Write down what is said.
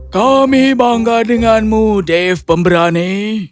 kami bangga denganmu dave pemberani